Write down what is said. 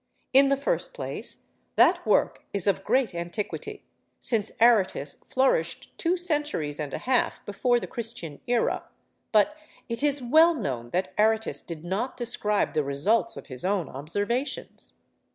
In the first place, that work is of great antiquity, since Aratus flourished two centuries and a half before the Christian era; but it is well known that Aratus did not describe the results of his own observations.